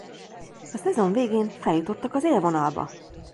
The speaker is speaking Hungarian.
A szezon végén feljutottak az élvonalba.